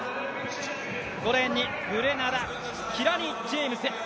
５レーンにグレナダ、キラニ・ジェームス。